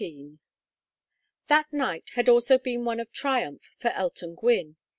XIV That night had also been one of triumph for Elton Gwynne.